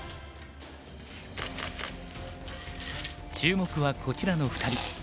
注目はこちらの２人。